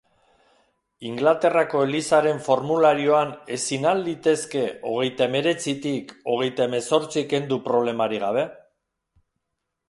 Ingalaterrako elizaren formularioan ezin al litezke hogeita hemeretzitik hogeita hamazortzi kendu problemarik gabe?